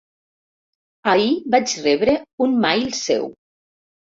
Ahir vaig rebre un mail seu.